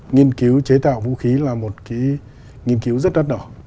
nghiên cứu chế tạo vũ khí là một cái nghiên cứu rất đắt đỏ